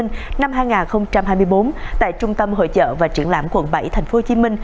năm hai nghìn hai mươi bốn tại trung tâm hội trợ và triển lãm quận bảy tp hcm